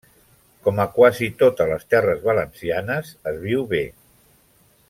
Com a quasi totes les terres valencianes, es viu bé.